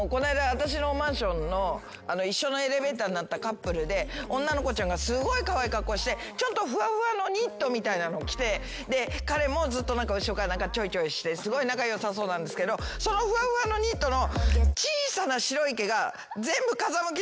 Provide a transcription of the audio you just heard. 私のマンションの一緒のエレベーターになったカップルで女の子ちゃんがすごいカワイイ格好してちょっとふわふわのニットみたいなのを着てで彼もずっと後ろからちょいちょいしてすごい仲良さそうなんですけどそのふわふわのニットの。